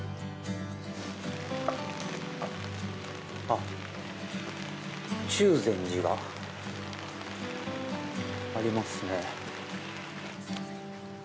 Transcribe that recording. あっ、中禅寺がありますね。